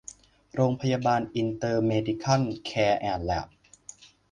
โรงพยาบาลอินเตอร์เมดิคัล แคร์ แอนด์ แล็บ